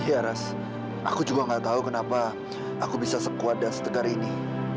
iya raz aku juga nggak tahu kenapa aku bisa sekuat dan setegar ini